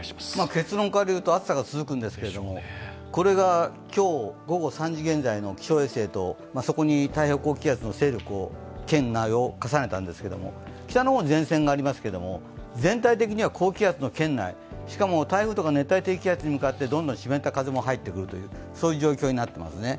結論から言うと、暑さが続くんですけれども、これが今日午後３時現在の気象衛星と、そこに太平洋高気圧の勢力の圏内を重ねたんですけども北の方に前線がありますけれども、全体的に高気圧の圏内、しかも、台風とか熱帯低気圧に向かってどんどん湿った空気が入っていく、そういう状況になっていますね。